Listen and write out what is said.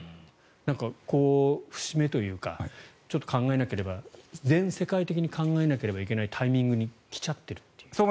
節目というかちょっと考えなければ全世界的に考えなければいけないタイミングに来ちゃってるという。